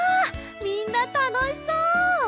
みんなたのしそう！